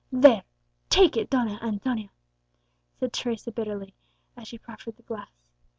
"There take it, Donna Antonia," said Teresa bitterly, as she proffered the glass.